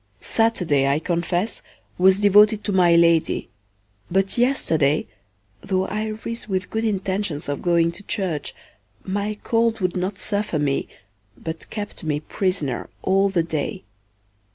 Saturday I confess was devoted to my Lady; but yesterday, though I ris with good intentions of going to church, my cold would not suffer me, but kept me prisoner all the day.